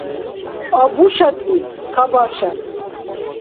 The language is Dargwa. Абушадли — кабашар.